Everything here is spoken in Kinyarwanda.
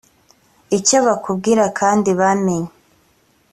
icyo bakubwira kandi bamenye